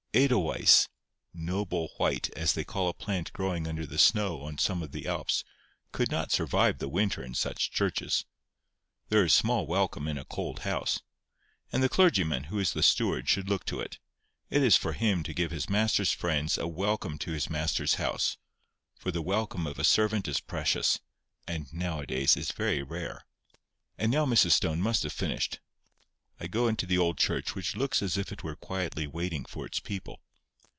Edelweiss, "Noble white"—as they call a plant growing under the snow on some of the Alps—could not survive the winter in such churches. There is small welcome in a cold house. And the clergyman, who is the steward, should look to it. It is for him to give his Master's friends a welcome to his Master's house—for the welcome of a servant is precious, and now a days very rare. And now Mrs Stone must have finished. I go into the old church which looks as if it were quietly waiting for its people.